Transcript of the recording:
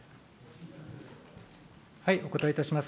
お答えいたします。